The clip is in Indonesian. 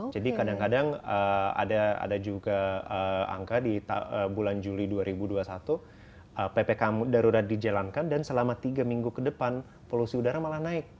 jadi kadang kadang ada juga angka di bulan juli dua ribu dua puluh satu ppkm darurat dijalankan dan selama tiga minggu ke depan polusi udara malah naik